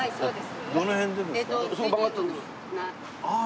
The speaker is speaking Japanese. ああ